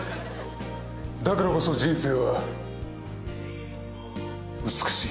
だからこそ人生は美しい。